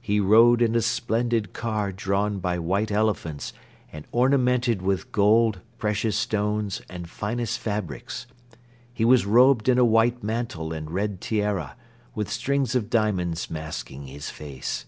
He rode in a splendid car drawn by white elephants and ornamented with gold, precious stones and finest fabrics; he was robed in a white mantle and red tiara with strings of diamonds masking his face.